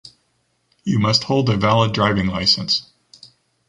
You must hold a valid driving license.